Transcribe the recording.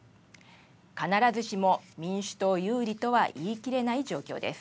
必ずしも民主党有利とは言い切れない状況です。